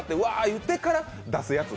言ってから出すやつ？